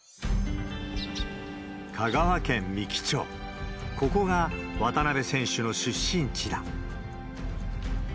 香川県三木町、ここが渡邊選手の出身地だ。